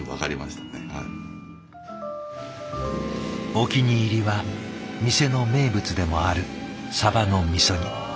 お気に入りは店の名物でもあるサバの味煮。